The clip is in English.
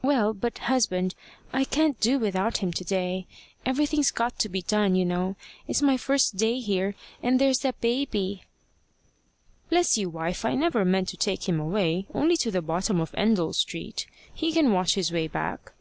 "Well, but, husband, I can't do without him to day. Everything's got to be done, you know. It's my first day here. And there's that baby!" "Bless you, wife! I never meant to take him away only to the bottom of Endell Street. He can watch his way back."